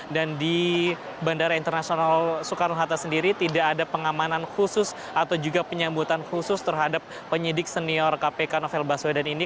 dan di bandara internasional soekarno hatta sendiri tidak ada pengamanan khusus atau juga penyambutan khusus terhadap penyidik senior kpk novel baswedan ini